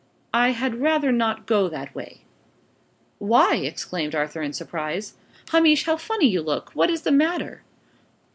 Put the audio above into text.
"I had rather not go that way." "Why?" exclaimed Arthur, in surprise. "Hamish, how funny you look! What is the matter?"